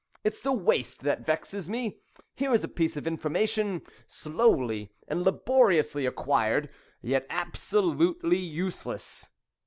It's the waste that vexes me. Here is a piece of information, slowly and laboriously acquired, yet absolutely useless.